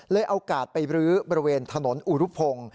โอกาสไปรื้อบริเวณถนนอุรุพงศ์